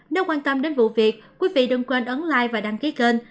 nếu quan tâm đến vụ việc quý vị đừng quên ấn lai và đăng ký kênh